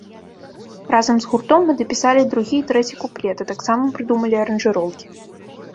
Разам з гуртом, мы дапісалі другі і трэці куплет, а таксама прыдумалі аранжыроўкі.